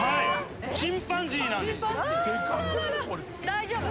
大丈夫？